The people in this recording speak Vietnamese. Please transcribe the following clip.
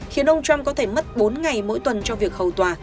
khiến ông trump có thể mất bốn ngày mỗi tuần cho việc hầu tòa